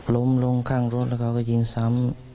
ล้มลงข้างรถแล้วเขาก็ยิงซ้ำ